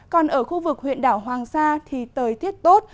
còn ở khu vực huyện đảo hoàng sa thì thời tiết tốt